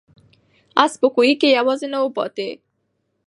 آس په کوهي کې یوازې نه و پاتې.